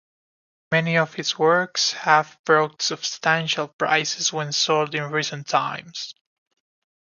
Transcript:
Many of his works have brought substantial prices when sold in recent times.